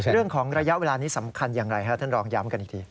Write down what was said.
เรื่องของระยะเวลานี้สำคัญอย่างไรครับท่านรองย้ำกันอีกที